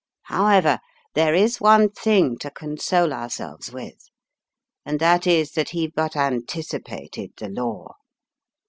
"However, there is one thing to console ourselves with, and that is that he but anticipated the law.